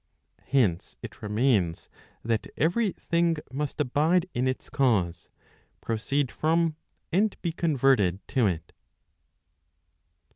Hence it remains that every thing must abide in its cause, proceed from, and be converted to it.